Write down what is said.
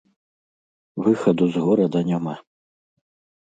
Выхаду з горада няма.